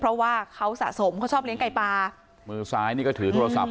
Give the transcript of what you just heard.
เพราะว่าเขาสะสมเขาชอบเลี้ยไก่ปลามือซ้ายนี่ก็ถือโทรศัพท์